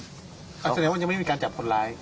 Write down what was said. อันสัญญาว่ายังไม่มีการจับคนร้าย